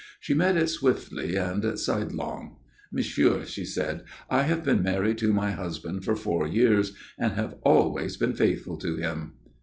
She met it swiftly and sidelong. "Monsieur," she said, "I have been married to my husband for four years, and have always been faithful to him."